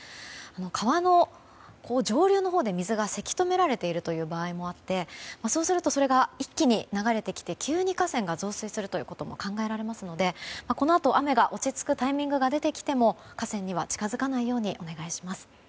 川の上流のほうで、水がせき止められている場合もあってそうするとそれが一気に流れてきて急に河川が増水するということも考えられますのでこのあと雨が落ち着くタイミングが出てきても河川には近づかないようにお願いします。